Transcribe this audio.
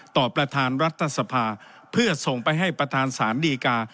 ประธานรัฐสภาเพื่อส่งไปให้ประธานศาลดีกา